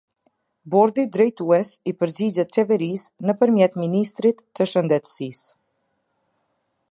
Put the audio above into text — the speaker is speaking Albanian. Bordi Drejtues i përgjigjet Qeverisë nëpërmjet Ministrit të Shëndetësisë.